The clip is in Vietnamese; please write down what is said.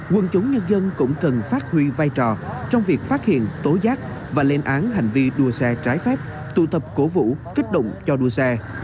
quân chúng nhân dân cũng cần phát huy vai trò trong việc phát hiện tố giác và lên án hành vi đua xe trái phép tụ tập cổ vũ kích động cho đua xe